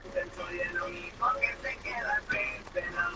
Tras ello, trabajó como juez del tribunal de apelación y magistrado.